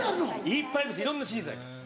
いっぱいいろんなシリーズあります。